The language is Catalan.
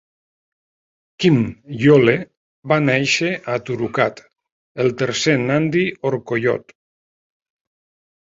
Kimnyole va néixer a Turukat, el tercer Nandi Orkoiyot.